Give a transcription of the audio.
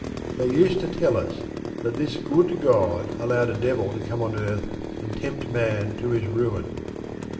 They used to tell us that this good God allowed a Devil to come on earth and tempt man to his ruin.